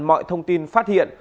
mọi thông tin phát hiện